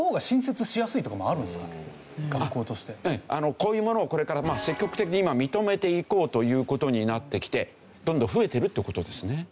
こういうものをこれから積極的に認めていこうという事になってきてどんどん増えてるって事ですね。